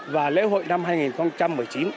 và lễ hội năm hai nghìn một mươi tám